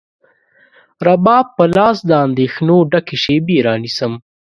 رباب په لاس، د اندېښنو ډکې شیبې رانیسم